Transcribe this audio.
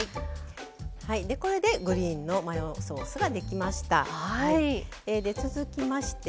これでグリーンのマヨソースができました。